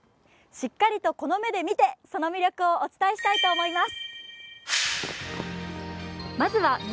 しっかりとこの目で見てその魅力をお伝えしたいと思います。